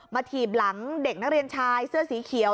ถีบหลังเด็กนักเรียนชายเสื้อสีเขียว